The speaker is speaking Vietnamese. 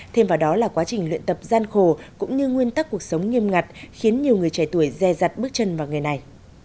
thêm vào đó là quá trình luyện tập gian khổ cũng như nguyên tắc cuộc sống nghiêm ngặt khiến nhiều người trẻ tuổi re dặt bước chân vào nghề này